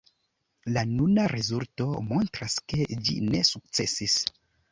La nuna rezulto montras, ke ĝi ne sukcesis.